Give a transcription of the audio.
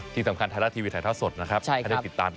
ที่สำคัญเป็นไทยดาคทีวีไทยทางเกียรติสด